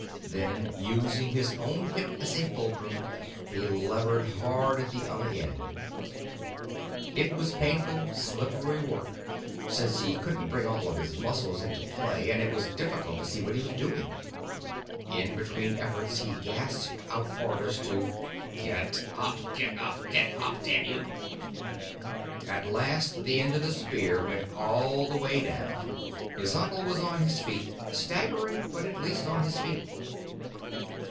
Then, using his own hip as a fulcrum, he levered hard at the other end. It was painful, slippery work, since he couldn't bring all of his muscles into play and it was difficult to see what he was doing. In between efforts, he gasped out orders to "Get up, get up, get up, damn you!" At last the end of the spear went all the way down. His uncle was on his feet, staggering, but at least on his feet.